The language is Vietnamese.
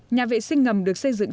nhà vệ sinh ngầm được xây dựng